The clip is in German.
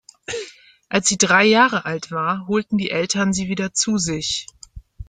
Als sie drei Jahre alt war, holten die Eltern sie wieder zu sich.